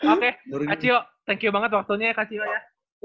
oke kak cio thank you banget waktunya ya kak cio ya